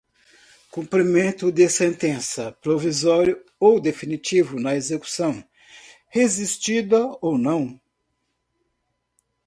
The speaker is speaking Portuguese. cumprimento de sentença, provisório ou definitivo, na execução, resistida ou não